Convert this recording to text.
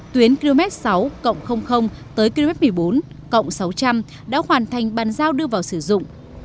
tuyến km sáu km một mươi bốn sáu trăm linh đã hoàn thành bàn giao đưa vào sử dụng